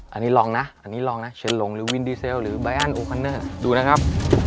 อันนี้ลองนะอันนี้ลองนะเชิญลงหรือวินดีเซลหรือดูนะครับ